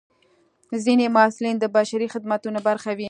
ځینې محصلین د بشري خدمتونو برخه وي.